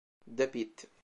The Pit